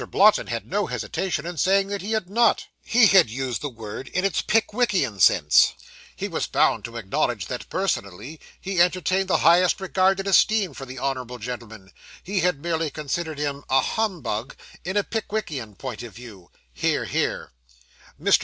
BLOTTON had no hesitation in saying that he had not he had used the word in its Pickwickian sense. (Hear, hear.) He was bound to acknowledge that, personally, he entertained the highest regard and esteem for the honourable gentleman; he had merely considered him a humbug in a Pickwickian point of view. (Hear, hear.) 'MR.